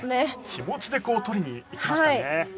気持ちで取りに行きましたね。